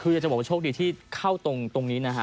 คืออยากจะบอกว่าโชคดีที่เข้าตรงนี้นะฮะ